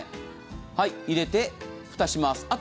はい、入れて、蓋をします。